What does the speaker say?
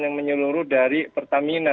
yang menyeluruh dari pertamina